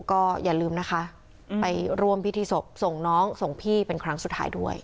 ก็อย่าลืมนะคะไปร่วมพิธีศพส่งน้องส่งพี่เป็นครั้งสุดท้ายด้วย